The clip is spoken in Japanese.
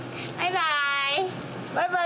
バイバイ！